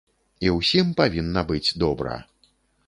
І ўсім павінна быць добра.